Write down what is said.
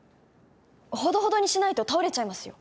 ほどほどにしないと倒れちゃいますよ